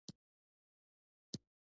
منډه د لوبغاړو لازمي تمرین دی